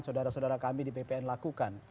saudara saudara kami di bpn lakukan